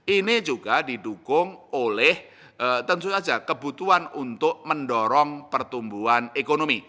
ini juga didukung oleh tentu saja kebutuhan untuk mendorong pertumbuhan ekonomi